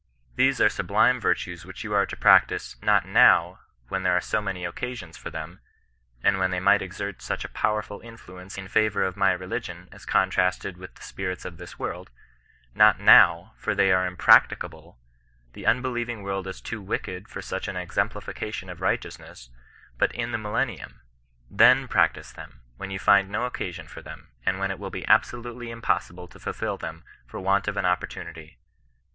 ! These are sublime virtues which you are to practise, not now, when there are so many occasions for them, and when ^ey might exert such a powerful influence in far vour of my religion as contrasted with the spirit of this world — not now; for they are impracticaJble ; the unbe lieving world is too wieiked for such an exemplification of righteousness ; but in the mtUenmtunu Then practise them, when you find no occasion for them, and when it will be absolutely impossible to fulfil them for want of an opportunity.